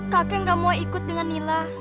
kakek gak mau ikut dengan nila